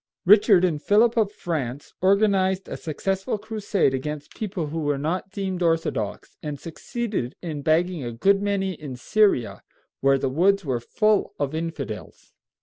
Richard and Philip of France organized a successful crusade against people who were not deemed orthodox, and succeeded in bagging a good many in Syria, where the woods were full of infidels.